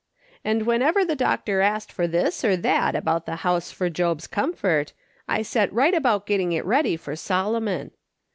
And whenever the doctor asked for this or that about the house for Job's comfort, I set right about getting it ready for Solomon.